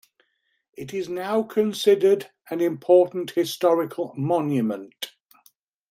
It is now considered an important historical monument.